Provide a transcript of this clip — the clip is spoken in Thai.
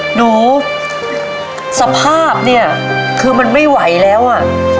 หนูสภาพเนี่ยคือมันไม่ไหวแล้วอ่ะ